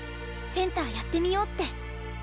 センターやってみようって。